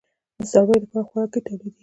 د څارویو لپاره خوراکه تولیدیږي؟